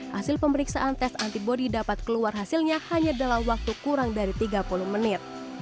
hasil pemeriksaan tes antibody dapat keluar hasilnya hanya dalam waktu kurang dari tiga puluh menit